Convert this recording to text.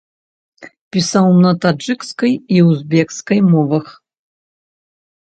Пісаў на таджыкскай і узбекскай мовах.